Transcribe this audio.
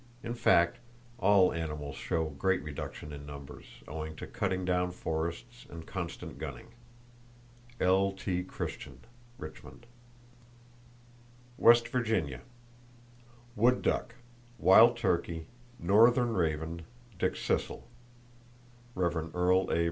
In fact, all animals show great reduction in numbers, owing to cutting down forests, and constant gunning.—(L.T. Christian, Richmond.) West Virginia: Wood duck, wild turkey, northern raven, dickcissel.—(Rev. Earle A.